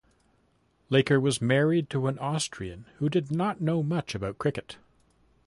Laker was married to an Austrian who did not know much about cricket.